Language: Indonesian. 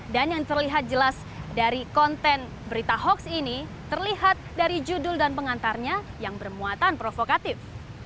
dan yang terlihat jelas dari konten berita hoax ini terlihat dari judul dan pengantarnya yang bermuatan provokatif